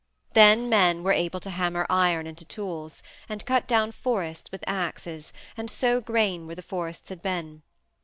Then men were able to hammer iron into tools, and cut down forests with axes, and sow grain where the forests had been.